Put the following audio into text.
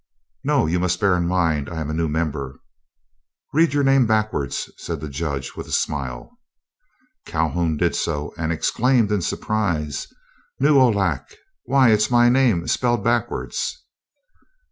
"No; you must bear in mind I am a new member." "Read your name backwards," said the Judge, with a smile. Calhoun did so, and exclaimed, in surprise: "Nuohlac! Why, it's my name spelled backwards."